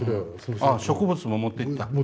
植物も持っていった？